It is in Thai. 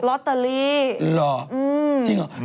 ลอตเตอรี่เหรอจริงเหรอ